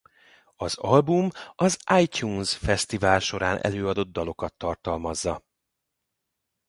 Az album az iTunes Fesztivál során előadott dalokat tartalmazza.